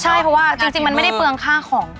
ใช่เพราะว่าจริงมันไม่ได้เปลืองค่าของ